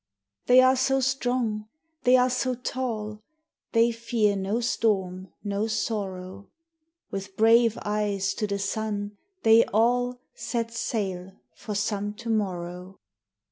They are so strong, they are so tall, They fear no storm, no sorrow; With brave eyes to the sun, they all Set sail for some to morrow.